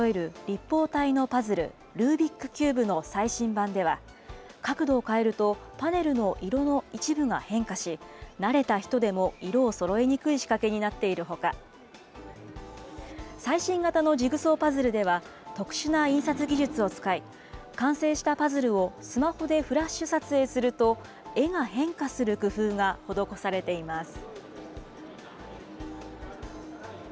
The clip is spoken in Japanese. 立方体のパズル、ルービックキューブの最新版では、角度を変えると、パネルの色の一部が変化し、慣れた人でも色をそろえにくい仕掛けになっているほか、最新型のジグソーパズルでは、特殊な印刷技術を使い、完成したパズルをスマホでフラッシュ撮影すると、絵が変化する工夫が施されています。